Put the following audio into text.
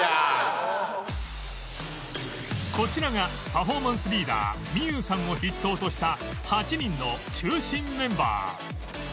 こちらがパフォーマンスリーダー美優さんを筆頭とした８人の中心メンバー